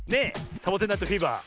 「サボテン・ナイト・フィーバー」。